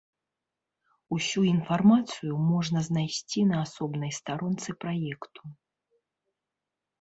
Усю інфармацыю можна знайсці на асобнай старонцы праекту.